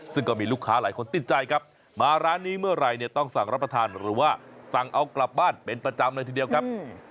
ซึ่งก็มีลูกค้าหลายคนติดใจครับมาร้านนี้เมื่อไหร่เนี่ยต้องสั่งรับประทานหรือว่าสั่งเอากลับบ้านเป็นประจำเลยทีเดียวครับ